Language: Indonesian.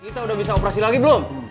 kita udah bisa operasi lagi belum